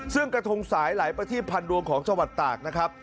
ซึ่งกระทงสายหลายประทีพันดวงของจังหวัดตากนะครับ